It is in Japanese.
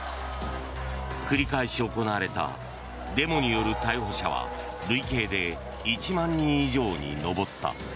繰り返し行われたデモによる逮捕者は累計で１万人以上に上った。